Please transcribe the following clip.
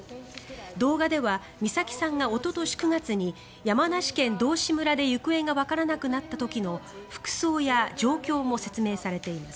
動画では美咲さんがおととし９月に山梨県道志村で行方がわからなくなった時の服装や状況も説明されています。